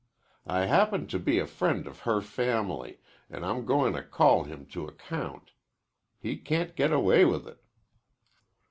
I happen to be a friend of her family, an' I'm goin' to call him to account. He can't get away with it."